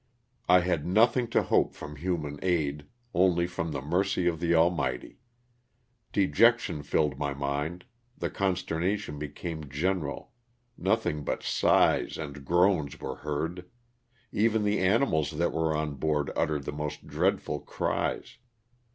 I had nothing to hope from human aid, only from the mercy of the Almighty. Dejection filled my mind, the consternation became general, nothing but sighs and groans were heard — even the animals that were on board uttered the most dr'oadful cries.